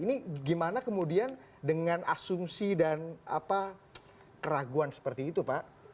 ini gimana kemudian dengan asumsi dan keraguan seperti itu pak